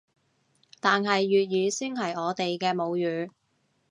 但係粵語先係我哋嘅母語